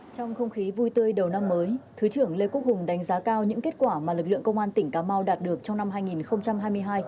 trong không khí vui tươi đầu năm mới thứ trưởng lê quốc hùng đánh giá cao những kết quả mà lực lượng công an tỉnh cà mau đạt được trong năm hai nghìn hai mươi hai